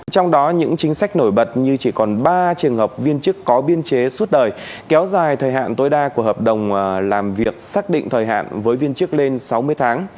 trong đó những chính sách nổi bật như chỉ còn ba trường hợp viên chức có biên chế suốt đời kéo dài thời hạn tối đa của hợp đồng làm việc xác định thời hạn với viên chức lên sáu mươi tháng